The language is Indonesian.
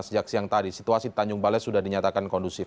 sejak siang tadi situasi tanjung balai sudah dinyatakan kondusif